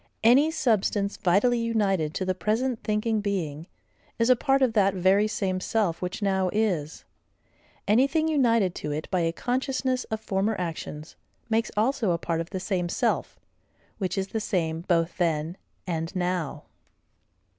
Any substance vitally united to the present thinking being is a part of that very same self which now is; anything united to it by a consciousness of former actions, makes also a part of the same self, which is the same both then and now.